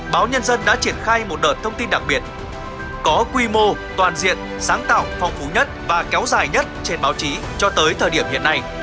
báo nhân dân đã triển khai một đợt thông tin đặc biệt có quy mô toàn diện sáng tạo phong phú nhất và kéo dài nhất trên báo chí cho tới thời điểm hiện nay